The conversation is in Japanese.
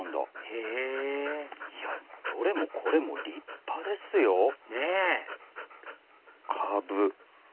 へぇどれもこれも立派ですよ！ねぇカブ。